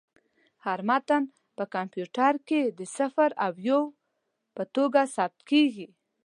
هر متن په کمپیوټر کې د صفر او یو په توګه ثبت کېږي.